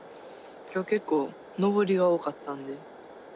今日結構上りが多かったんで。